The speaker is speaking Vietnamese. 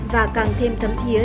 và càng thêm thấm thiế